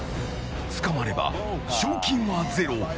捕まれば賞金はゼロ。